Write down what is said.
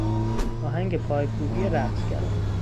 آهنگ پایکوبی رقصگران